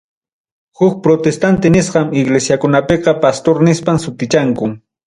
Huk protestante nisqan iglesiakunapiqa, pastor nispan sutichanku.